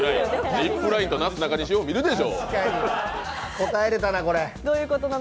ジップラインとなすなかにし、よう見るでしょ！